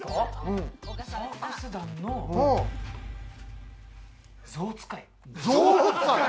サーカス団のゾウ使い。